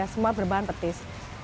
semua berbahan petis